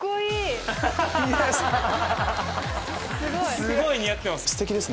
すごい似合ってます。